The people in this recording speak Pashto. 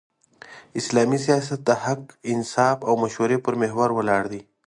اسلامي سیاست د حق، انصاف او مشورې پر محور ولاړ دی.